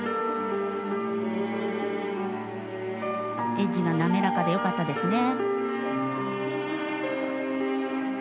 エッジが滑らかで良かったですね。